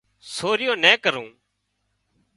سوريون نين ڪرُون